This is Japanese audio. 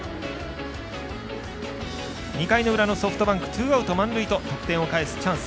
２回の裏のソフトバンクツーアウト、満塁と得点を返すチャンス。